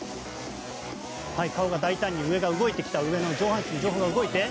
はい顔が大胆に上が動いてきた上の上半身上半身が動いて。